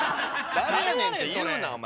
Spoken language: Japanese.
誰やねんって言うなお前！